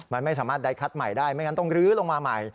มันไม่สามารถใดคัดใหม่ได้ไม่งั้นต้องลื้อลงมาใหม่